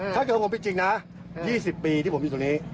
ถ้าเกิดว่าผมผิดจริงน่ะยี่สิบปีที่ผมอยู่ตรงนี้